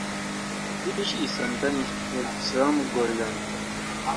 The dish is sometimes called slumgullion.